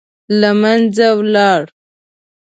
له منځه ولاړ.